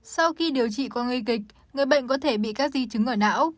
sau khi điều trị qua nguy kịch người bệnh có thể bị các di chứng ở não